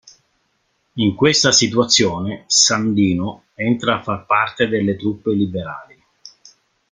In questa situazione Sandino entra a far parte delle truppe liberali.